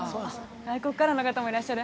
外国からの方もいらっしゃる。